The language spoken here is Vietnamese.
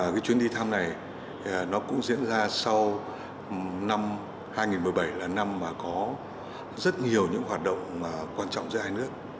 cái chuyến đi thăm này nó cũng diễn ra sau năm hai nghìn một mươi bảy là năm mà có rất nhiều những hoạt động quan trọng giữa hai nước